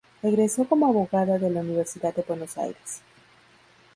Egresó como abogada de la Universidad de Buenos Aires.